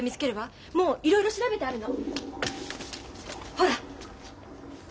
ほら。